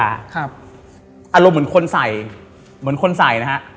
อารมณ์เหมือนคนใส่